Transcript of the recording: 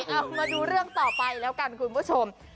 เอามาดูเรื่องต่อไปแล้วกันคุณผู้ชม